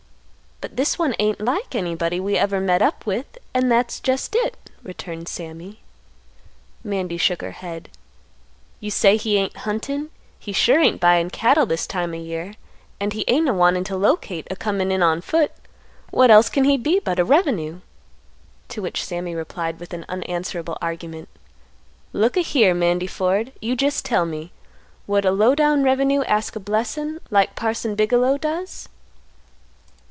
"But this one ain't like anybody that we ever met up with, and that's jest it," returned Sammy. Mandy shook her head; "You say he ain't huntin'; he sure ain't buyin' cattle this time o' year; and he ain't a wantin' t' locate a comin' in on foot; what else can he be but a revenue?" To which Sammy replied with an unanswerable argument; "Look a here, Mandy Ford; you jest tell me, would a low down revenue ask a blessin' like Parson Bigelow does?"